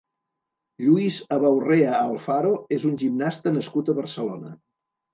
Lluís Abaurrea Alfaro és un gimnasta nascut a Barcelona.